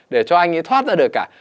để cho anh ấy thoát ra được cả